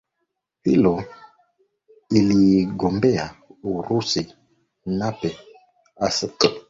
hilo ili agombee uraisNape akapambana na kushinda kura ya maoni ndani ya chama